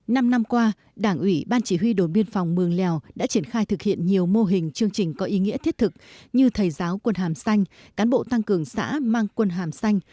năm năm qua đảng ủy ban chỉ huy đồn biên phòng mường lèo đã triển khai thực hiện nhiều mô hình chương trình có ý nghĩa thiết thực như thầy giáo quân hàm xanh cán bộ tăng cường xã mang quân hàm xanh